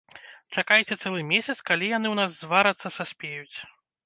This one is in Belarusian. Чакайце цэлы месяц, калі яны ў нас зварацца-саспеюць.